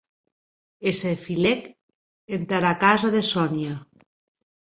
E se filèc entara casa de Sonia.